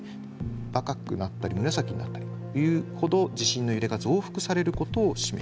赤くなったり紫になったりというほど地震の揺れが増幅されることを示しています。